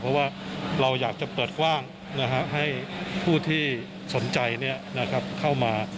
เพราะว่าเราอยากจะเปิดกว้างให้ผู้ที่สนใจเข้ามา